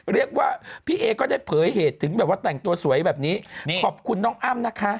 เรียกว่าพี่เอก็ได้เผยเหตุถึงแบบว่าแต่งตัวสวยแบบนี้ขอบคุณน้องอ้ำนะคะ